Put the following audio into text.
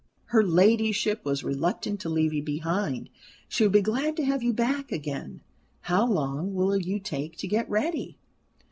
Her ladyship was reluctant to leave you behind. She will be glad to have you back again. How long will you take to get ready?"